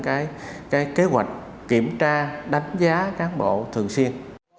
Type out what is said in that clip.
cái kế hoạch kiểm tra đánh giá cán bộ thường xuyên